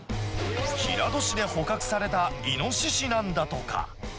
平戸市で捕獲されたイノシシなんだとか。